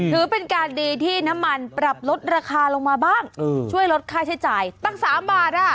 ถือเป็นการดีที่น้ำมันปรับลดราคาลงมาบ้างช่วยลดค่าใช้จ่ายตั้ง๓บาท